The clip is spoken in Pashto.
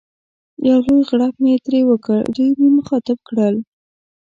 یو لوی غړپ مې ترې وکړ، دوی مې مخاطب کړل.